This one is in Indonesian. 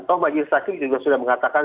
toh majelis hakim juga sudah mengatakan